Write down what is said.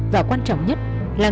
và quan trọng nhất là người đàn ông